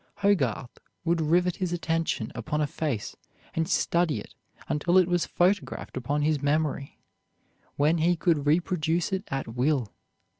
Hogarth would rivet his attention upon a face and study it until it was photographed upon his memory, when he could reproduce it at will.